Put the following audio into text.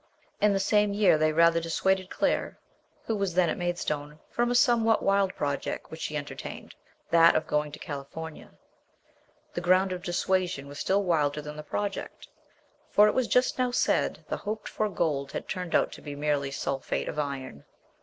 In the same year they rather dissuaded Claire, who was then at Maid stone, from a somewhat wild project which she enter tained, that of going to California. The ground of dissuasion was still wilder than the project, for it was just now said the hoped for gold had turned out to be 238 MBS. SHELLEY. merely sulphate of iron.